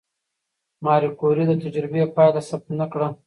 ماري کوري د تجربې پایله ثبت نه کړه؟